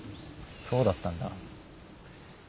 そうだったんだ。